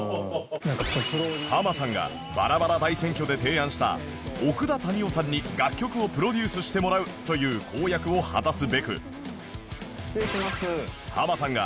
ハマさんがバラバラ大選挙で提案した「奥田民生さんに楽曲をプロデュースしてもらう」という公約を果たすべく